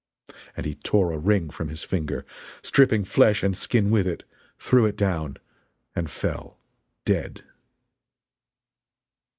And he tore a ring from his finger, stripping flesh and skin with it, threw it down and fell dead!